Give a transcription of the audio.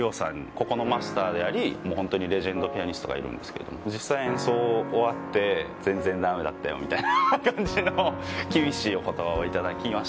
ここのマスターでありもう本当にレジェンドピアニストがいるんですけれども実際演奏終わって全然駄目だったよみたいな感じの厳しいお言葉をいただきまして